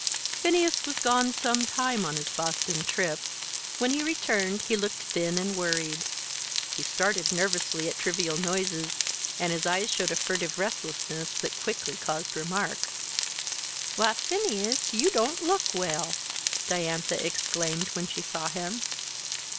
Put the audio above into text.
Phineas was gone some time on his Boston trip. When he returned he looked thin and worried. He started nervously at trivial noises, and his eyes showed a furtive restlessness that quickly caused remark. "Why, Phineas, you don't look well!" Diantha exclaimed when she saw him.